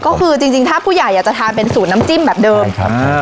ก็คือจริงจริงถ้าผู้ใหญ่อยากจะทานเป็นสูตรน้ำจิ้มแบบเดิมใช่ครับ